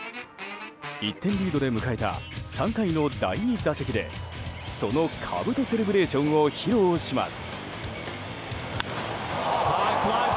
１点リードで迎えた３回の第２打席でそのかぶとセレブレーションを披露します。